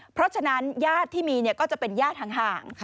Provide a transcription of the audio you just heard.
เพราะฉะนั้นญาติที่มีก็จะเป็นญาติห่าง